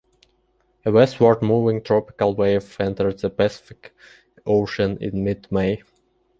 A westward-moving tropical wave entered the Pacific Ocean in mid-May.